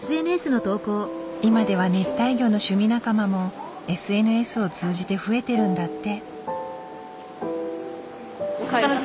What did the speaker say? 今では熱帯魚の趣味仲間もＳＮＳを通じて増えてるんだって。